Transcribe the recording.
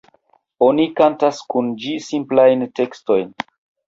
Oni kantas kun ĝi simplajn tekstojn.